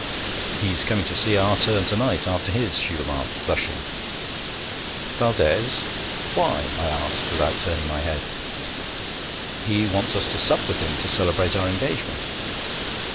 'He's coming to see our turn to night, after his,' she remarked, blushing. 'Valdès? Why?' I asked, without turning my head. 'He wants us to sup with him, to celebrate our engagement.'